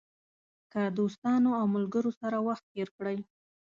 که دوستانو او ملګرو سره وخت تېر کړئ.